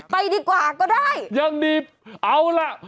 ไปดีกว่าก็ได้ยังดีเอาล่ะ